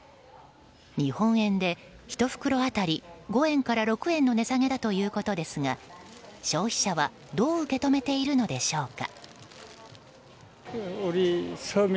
日本円で１袋当たり５円から６円の値下げだということですが消費者はどう受け止めているのでしょうか。